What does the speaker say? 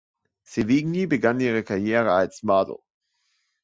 Sevigny begann ihre Karriere als Model.